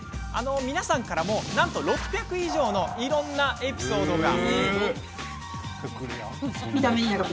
皆さんからもなんと６００以上のいろんなエピソードが。